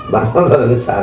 đáng lắm đáng lắm